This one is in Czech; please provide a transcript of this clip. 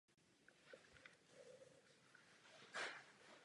Rostl počet ozbrojených incidentů na vzájemných hranicích.